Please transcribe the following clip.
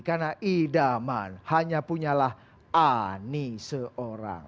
karena idaman hanya punya lah ani seorang